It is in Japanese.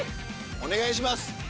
お願いします。